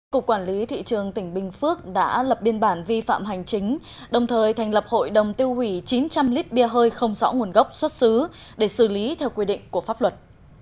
cục quản lý thị trường tỉnh bình phước đã lập biên bản vi phạm hành chính đồng thời thành lập hội đồng tiêu hủy chín trăm linh lít bia hơi không rõ nguồn gốc xuất xứ để xử lý theo quy định của pháp luật